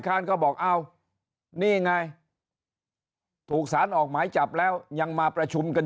ค้านก็บอกเอ้านี่ไงถูกสารออกหมายจับแล้วยังมาประชุมกัน